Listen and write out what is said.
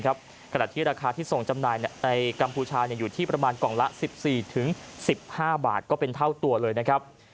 ขณะที่ราคาที่ส่งจำหน่ายในกัมพูชาอยู่ที่ประมาณกล่องละ๑๔๑๕บาทก็เป็นเท่าตัวเลยนะครับ